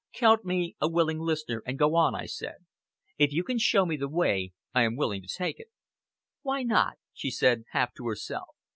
"Count me a willing listener and go on," I said. "If you can show me the way, I am willing to take it." "Why not?" she said, half to herself.